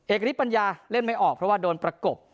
เอกฤทธปัญญาเล่นไม่ออกเพราะว่าโดนประกบ